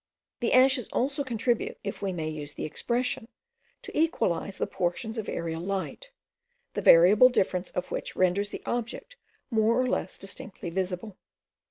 The ashes also contribute, if we may use the expression, to equalize the portions of aerial light, the variable difference of which renders the object more or less distinctly visible.